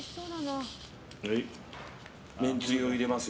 めんつゆを入れますよ。